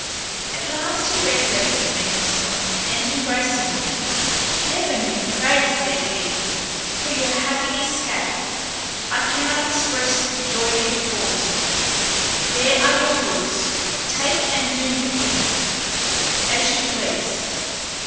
At last he recollected me himself, and embracing me, "Heaven be praised," said he, "for your happy escape. I cannot express the joy it affords, me; there are your goods, take and do with them as you please."